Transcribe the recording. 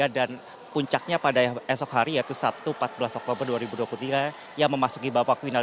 dan puncaknya pada esok hari yaitu sabtu empat belas oktober dua ribu dua puluh tiga yang memasuki babak final